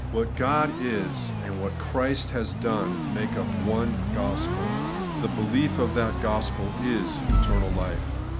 What God is, and what Christ has done, make up one gospel. The belief of that gospel is eternal life.